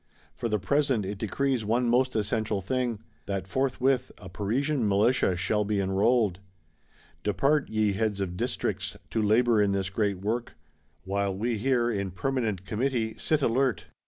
For the present it decrees one most essential thing: that forthwith a "Parisian Militia" shall be enrolled. Depart, ye heads of Districts, to labour in this great work; while we here, in Permanent Committee, sit alert.